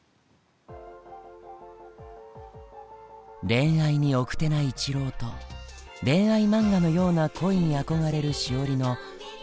恋愛に奥手な一郎と恋愛漫画のような恋に憧れるしおりの心のふれあい。